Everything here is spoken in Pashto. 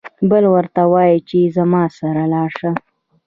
بل ورته وايي چې زما سره لاړ شه.